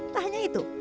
tak hanya itu